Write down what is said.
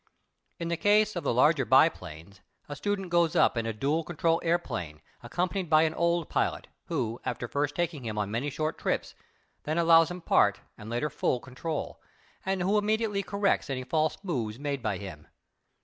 In the case of the larger biplanes, a student goes up in a dual control airplane, accompanied by an old pilot, who, after first taking him on many short trips, then allows him part, and later full, control, and who immediately corrects any false moves made by him.